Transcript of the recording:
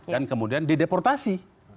dan kemudian dideportasi